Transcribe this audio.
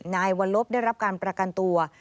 นายวัลลบได้รับการประกันตัว